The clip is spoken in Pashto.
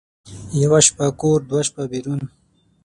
یوه شپه کور، دوه شپه بېرون.